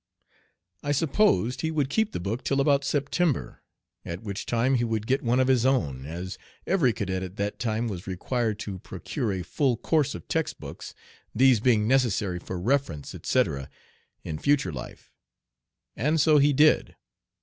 I supposed he would keep the book till about September, at which time he would get one of his own, as every cadet at that time was required to procure a full course of text books, these being necessary for reference, etc., in future life. And so he did.